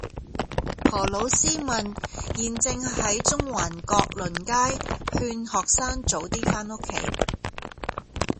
何老師問現正在中環閣麟街勸學生早啲返屋企